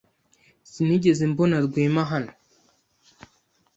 Sinigeze mbona Rwema hano.